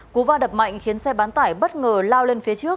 cú va đập mạnh khiến xe bán tải bất ngờ lao lên phía trước